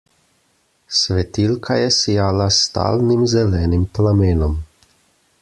Svetilka je sijala s stalnim zelenim plamenom.